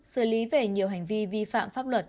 xử lý về nhiều hành vi vi phạm pháp luật